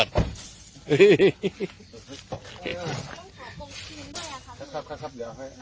ใช่ครับ